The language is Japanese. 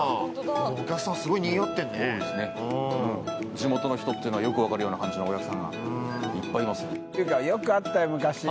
地元の人っていうのがよく分かるような感じのお客さんがいっぱいいますね